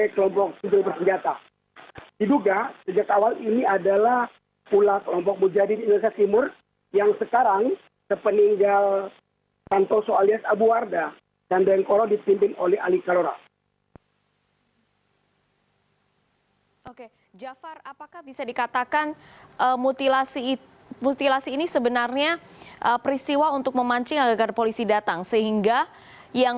ketika pencarian dihentikan mereka dihadang dan diberondong tembakan